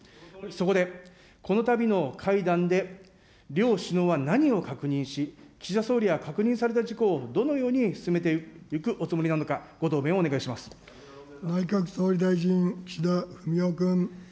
そこで、このたびの会談で両首脳は何を確認し、岸田総理は確認された事項をどのように進めていくおつもりなのか、内閣総理大臣、岸田文雄君。